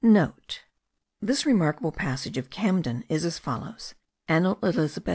*(* This remarkable passage of Camden is as follows, Annal. Elizabet.